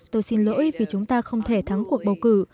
tôi xin lỗi vì chúng ta không thể thắng cuộc bầu cử